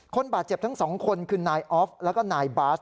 คนบาดเจ็บทั้งสองคนคือนายออฟแล้วก็นายบาส